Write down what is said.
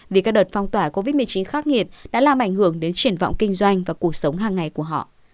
vì các đợt phong tỏa covid một mươi chín khắc nghiệt đã làm ảnh hưởng đến triển vọng kinh doanh và cuộc sống hàng ngày của họ